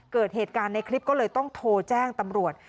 เกิดเหตุการณ์ในคลิปก็เลยต้องโทรแจ้งตำรวจ